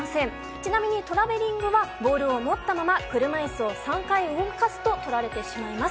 ちなみに、トラベリングはボールを持ったまま車いすを３回動かすととられてしまいます。